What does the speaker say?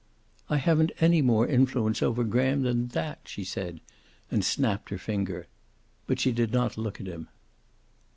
"I haven't any more influence over Graham than that," she said, and snapped her finger. But she did not look at him.